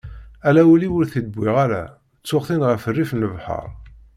Ala ul-iw ur t-id-wwiγ ara, ttuγ-t-in γef rrif n lebḥeṛ.